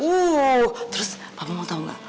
wuuuuh terus papa mau tau gak